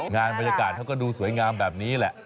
บรรยากาศเขาก็ดูสวยงามแบบนี้แหละ